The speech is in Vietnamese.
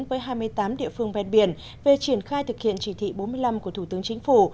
với hai mươi tám địa phương ven biển về triển khai thực hiện chỉ thị bốn mươi năm của thủ tướng chính phủ